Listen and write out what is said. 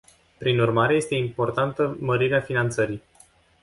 Prin urmare, este importantă mărirea finanțării.